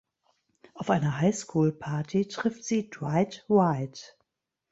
Auf einer High School Party trifft sie Dwight White.